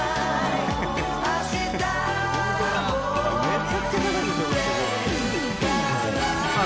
めちゃくちゃ高いま